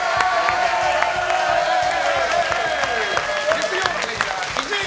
月曜のレギュラー伊集院